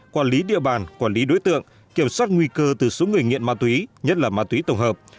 quản lý địa bàn quản lý đối tượng kiểm soát nguy cơ từ số người nghiện ma túy nhất là ma túy tổng hợp